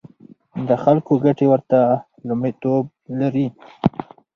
د خلکو ګټې ورته لومړیتوب لري.